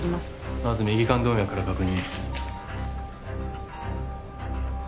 まず右冠動脈から確認